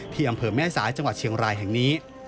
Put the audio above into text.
อำเภอแม่สายจังหวัดเชียงรายแห่งนี้